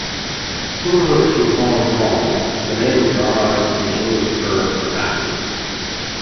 Similar to Hong Kong, the name derives from the English term "Taxi".